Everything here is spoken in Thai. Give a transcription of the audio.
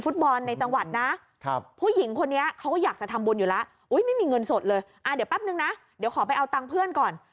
เดี๋ยวขอไปเอาตังค์เพื่อนก่อน